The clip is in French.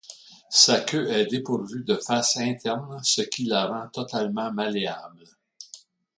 Sa queue est dépourvue de face interne ce qui la rend totalement malléable.